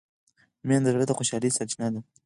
مینه د زړه د خوشحالۍ سرچینه ده.